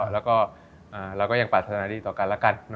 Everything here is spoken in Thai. แล้วก็เราก็ยังปรารถนาดีต่อกันแล้วกัน